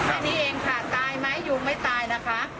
แค่นี้เองค่ะตายไหมอยู่ไม่ตายนะคะ